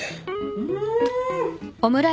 うん！